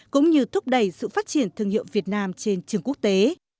cũng như thúc đẩy sự phát triển thương hiệu việt nam trên trường quốc tế